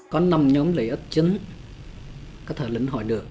có năm nhóm lợi ích chính có thể lĩnh hội được